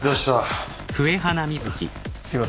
あっすいません。